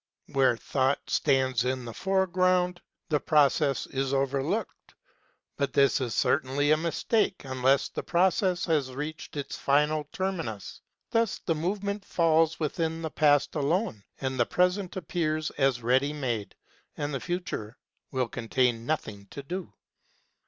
Where Thought stands in the foreground, the Process is overlooked ; but this is certainly a mistake unless the Process has reached its final terminus. Thus the Movement falls within the Past alone ; the Present appears as ready made, and the Future will contain nothing to do.